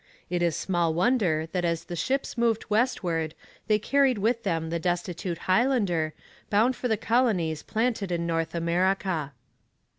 It is small wonder that as the ships moved westward they carried with them the destitute Highlander, bound for the colonies planted in North America.